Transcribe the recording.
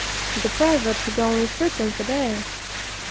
The private had only threepence a day.